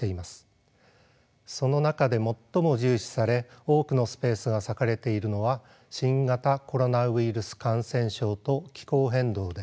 その中で最も重視され多くのスペースが割かれているのは新型コロナウイルス感染症と気候変動です。